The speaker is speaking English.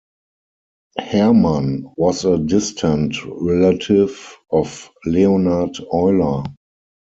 Hermann was a distant relative of Leonhard Euler.